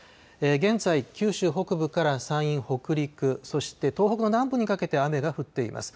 現在、九州北部から山陰北陸そして東北の南部にかけて雨が降っています。